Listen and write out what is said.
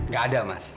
gak ada mas